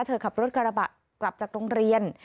ขับรถกระบะกลับจากโรงเรียน